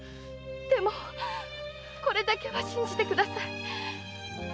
〔でもこれだけは信じてください〕